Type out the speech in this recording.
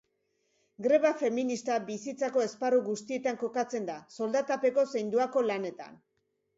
Greba feminista bizitzako esparru guztietan kokatzen da, soldatapeko zein doako lanetan.